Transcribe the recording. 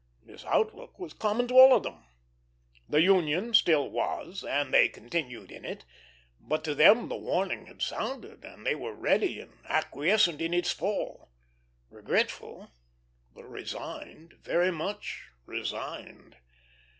This outlook was common to them all. The Union still was, and they continued in it; but to them the warning had sounded, they were ready and acquiescent in its fall; regretful, but resigned very much resigned.